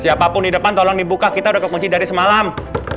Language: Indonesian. siapapun di depan tolong dibuka kita udah kekunci dari semalam